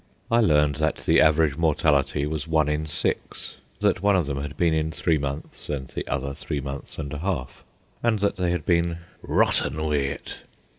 I learned that the average mortality was one in six, that one of them had been in three months and the other three months and a half, and that they had been "rotten wi' it."